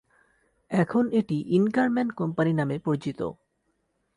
এখন এটি ইনকারম্যান কোম্পানি নামে পরিচিত।